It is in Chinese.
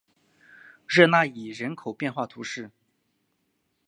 热讷伊人口变化图示